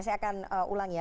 saya akan ulangi ya